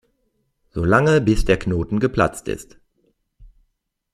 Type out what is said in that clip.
So lange, bis der Knoten geplatzt ist.